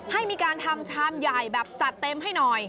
ให้มีการทำชามใหญ่แบบจัดเต็มให้หน่อย